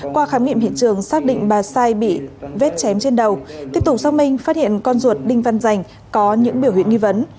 qua khám nghiệm hiện trường xác định bà sai bị vết chém trên đầu tiếp tục xác minh phát hiện con ruột đinh văn rành có những biểu hiện nghi vấn